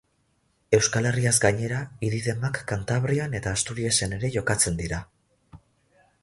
Euskal Herriaz gainera, idi-demak Kantabrian eta Asturiasen ere jokatzen dira.